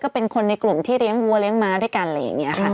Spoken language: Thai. เป็นคนในกลุ่มที่เลี้ยงวัวเลี้ยงม้าด้วยกันอะไรอย่างนี้ค่ะ